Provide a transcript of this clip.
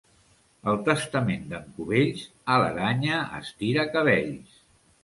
El testament d'en Cubells, a l'aranya estiracabells.